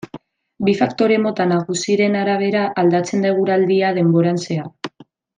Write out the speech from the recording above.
Bi faktore mota nagusiren arabera aldatzen da eguraldia denboran zehar.